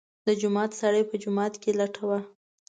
د جومات سړی په جومات کې لټوه.